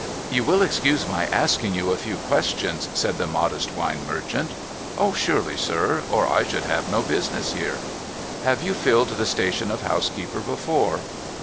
* You will excuse my asking you a few questions ?' said the modest wine merchant. ' O, surely, sir. Or I should have no business here.' ' Have you filled the station of housekeeper before